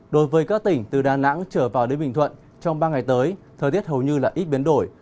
đối với các tỉnh từ đà nẵng trở vào đến bình thuận trong ba ngày tới thời tiết hầu như là ít biến đổi